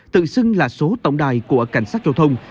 tự xưng là số tổng đài của cảnh sát giao thông